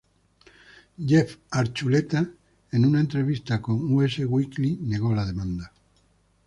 Jeff Archuleta, en una entrevista con "Us Weekly", negó la demanda.